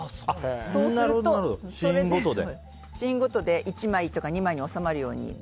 そうすると、シーンごとで１枚とか２枚に収まるように。